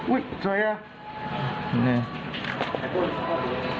อุ๊ยสวยนะ